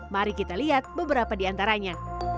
mari kita lihat beberapa di antaranya